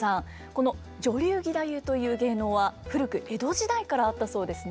この女流義太夫という芸能は古く江戸時代からあったそうですね。